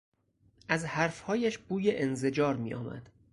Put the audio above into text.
از حرف هایش بوی انزجار میآمد.